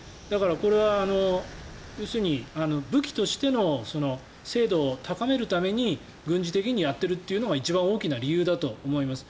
これは要するに武器としての精度を高めるために軍事的にやっているというのが一番大きな理由だと思います。